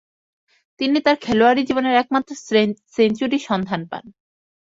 তিনি তার খেলোয়াড়ী জীবনের একমাত্র সেঞ্চুরির সন্ধান পান।